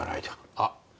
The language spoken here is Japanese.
あっ。